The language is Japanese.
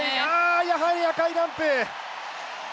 やはり赤いランプ。